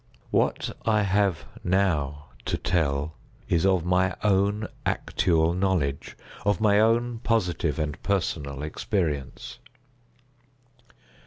What I have now to tell is of my own actual knowledge—of my own positive and personal experience.